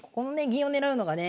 銀を狙うのがね